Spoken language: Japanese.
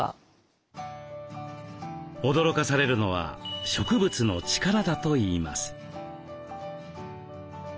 驚かされるのは植物の力だといいます。